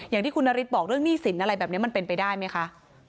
อย่างที่คุณนฤทธิบอกเรื่องหนี้สินอะไรแบบนี้มันเป็นไปได้ไหมคะ